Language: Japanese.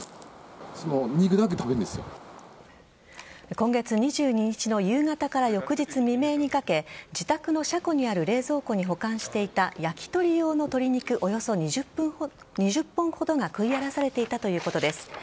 今月２２日の夕方から翌日未明にかけ自宅の車庫にある冷蔵庫に保管していた焼き鳥用の鶏肉およそ２０本ほどが食い荒らされていたということです。